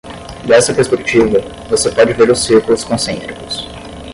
Dessa perspectiva, você pode ver os círculos concêntricos.